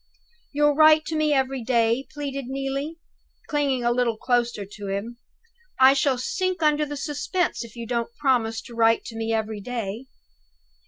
"You'll write to me every day?" pleaded Neelie, clinging a little closer to him. "I shall sink under the suspense, if you don't promise to write to me every day."